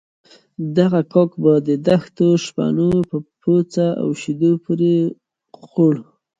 دغه کاک به د دښتو شپنو په پوڅه او شيدو پورې خوړ.